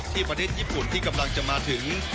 ประเทศญี่ปุ่นที่กำลังจะมาถึง